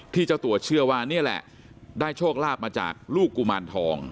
เจ้าตัวเชื่อว่านี่แหละได้โชคลาภมาจากลูกกุมารทอง